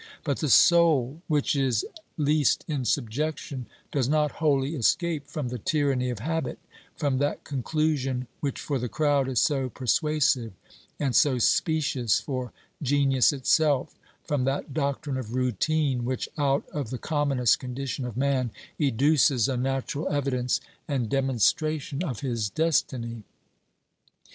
But the soul which is least in subjection does not wholly escape from the tyranny of habit, from that conclusion which for the crowd is so persuasive and so specious for genius itself, from that doctrine of routine which out of the commonest condition of man educes a natural evidence and demon stration of his destiny.